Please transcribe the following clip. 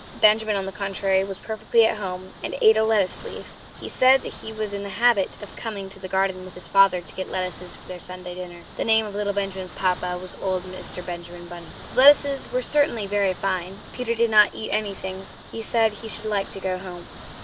Benjamin, on the contrary, was perfectly at home, and ate a lettuce leaf. He said that he was in the habit of coming to the garden with his father to get lettuces for their Sunday dinner. (The name of little Benjamin's papa was old Mr. Benjamin Bunny.) The lettuces certainly were very fine. Peter did not eat anything; he said he should like to go home.